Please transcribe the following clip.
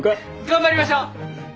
頑張りましょう！